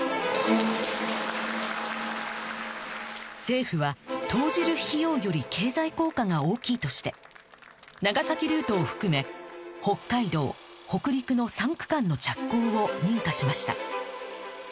政府は投じる費用より経済効果が大きいとして長崎ルートを含め北海道北陸の３区間の着工を認可しました